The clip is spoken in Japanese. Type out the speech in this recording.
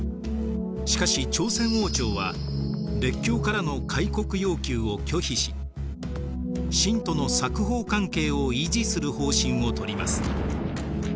しかし朝鮮王朝は列強からの開国要求を拒否し清との冊封関係を維持する方針をとります。